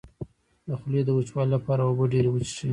د خولې د وچوالي لپاره اوبه ډیرې وڅښئ